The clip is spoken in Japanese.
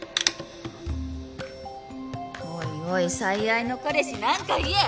おいおい最愛の彼氏何か言え！